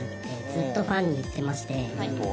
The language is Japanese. ずっとファンに言っていまして」